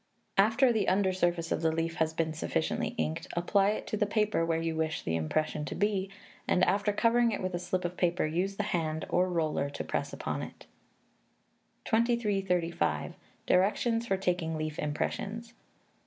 After the under surface of the leaf has been sufficiently inked, apply it to the paper where you wish the impression to be; and, after covering it with a slip of paper, use the hand or roller to press upon it. 2335. Directions for Taking Leaf Impressions.